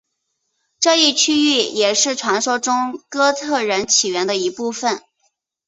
这一区域也是传说中哥特人起源的一部分。